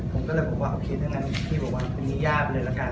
ผมก็เลยบอกว่าโอเคเดี๋ยวนั้นพี่บอกว่าเป็นมียากเลยละกัน